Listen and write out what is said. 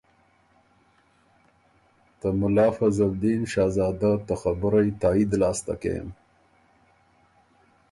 ته مُلا فضل دین شهزاده ته خبُرئ تائید لاسته کېم۔